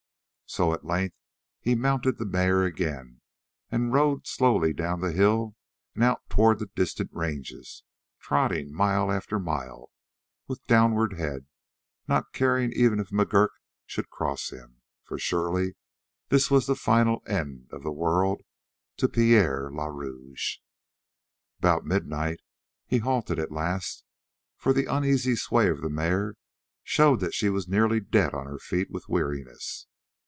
So at length he mounted the mare again and rode slowly down the hill and out toward the distant ranges, trotting mile after mile with downward head, not caring even if McGurk should cross him, for surely this was the final end of the world to Pierre le Rouge. About midnight he halted at last, for the uneasy sway of the mare showed that she was nearly dead on her feet with weariness.